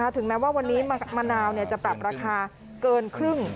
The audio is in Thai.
ถึงแม้ว่าวันนี้มะนาวจะปรับราคาเกินครึ่ง